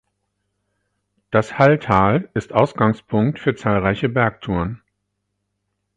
Das Halltal ist Ausgangspunkt für zahlreiche Bergtouren.